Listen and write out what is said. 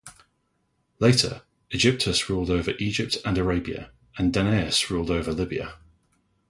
Later Aegyptus ruled over Egypt and Arabia, and Danaus ruled over Libya.